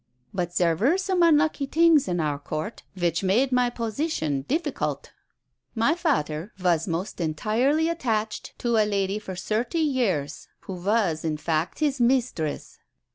But dere were some unlucky tings in our Court which made my position difficult. My fader was most entirely attached to a lady for thirty years, who was in fact his mistress.